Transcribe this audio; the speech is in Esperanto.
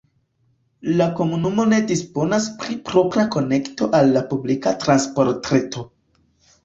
La komunumo ne disponas pri propra konekto al la publika transportreto.